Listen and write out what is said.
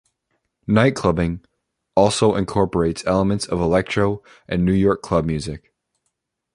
"Nightclubbing" also incorporates elements of electro, and New York club music.